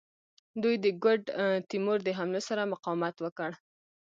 دوی د ګوډ تیمور د حملو سره مقاومت وکړ.